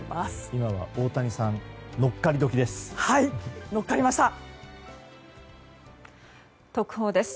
今は大谷さん乗っかり時です。